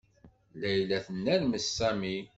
Layla tennermes Sami.